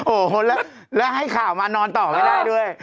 โอ้โหแล้วให้ข่าวมานอนต่อไม่ได้ด้วย